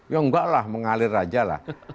ya enggak lah mengalir aja lah